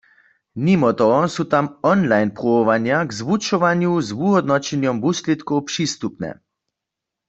Nimo toho su tam online-pruwowanja k zwučowanju z wuhódnoćenjom wuslědkow přistupne.